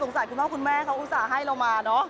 คุณพ่อคุณแม่เขาอุตส่าห์ให้เรามาเนอะ